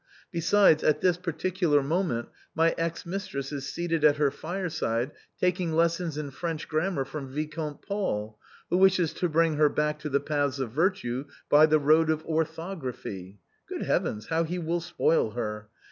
Besides, at this particular moment, my ex mistress is seated at her fireside taking lessons in French grammar from Vicomte Paul, who wishes to bring her back to the paths of virtue by the road of orthography. Good heavens, how he will spoil her